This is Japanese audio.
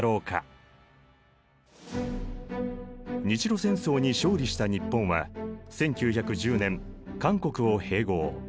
日露戦争に勝利した日本は１９１０年韓国を併合。